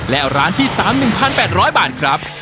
และร้านที่๓๑๘๐๐บาทครับ